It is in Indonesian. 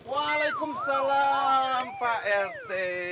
waalaikumsalam pak rt